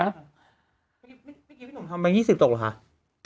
เมื่อกี้พี่หนุ่มทำมา๒๐ตกเหรอคะ